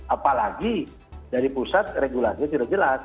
apalagi dari pusat regulasinya sudah jelas